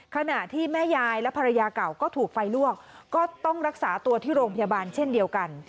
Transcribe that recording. ขณะที่แม่ยายและภรรยาเก่าก็ถูกไฟลวกก็ต้องรักษาตัวที่โรงพยาบาลเช่นเดียวกัน